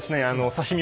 刺身。